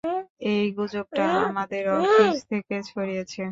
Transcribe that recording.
এই গুজবটা আমাদের অফিস থেকে ছড়িয়েছে।